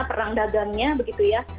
perang dagangnya begitu ya